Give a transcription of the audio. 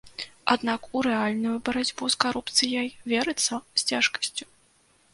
Аднак у рэальную барацьбу з карупцыяй верыцца з цяжкасцю.